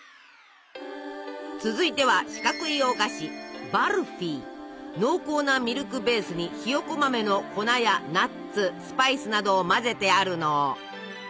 続いては四角いお菓子濃厚なミルクベースにひよこ豆の粉やナッツスパイスなどを混ぜてあるの。